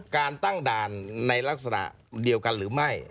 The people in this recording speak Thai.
การตั้งด่านในลักษณะเดียวกันหรือไม่